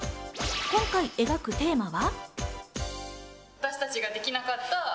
今回描くテーマは。